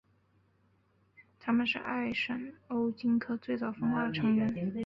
它们是艾什欧鲸科最早分化的成员。